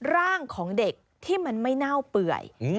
ร่างของเด็กที่มันไม่เน่าเปื่อย